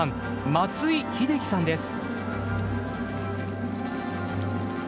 松井秀喜さんです。